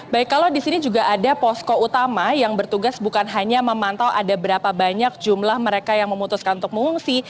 baik kalau di sini juga ada posko utama yang bertugas bukan hanya memantau ada berapa banyak jumlah mereka yang memutuskan untuk mengungsi